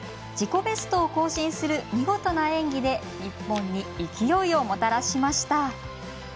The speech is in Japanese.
自己ベストを更新する見事な演技で日本に勢いをもたらしました。